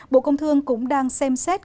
bộ công thương cũng đang xem xét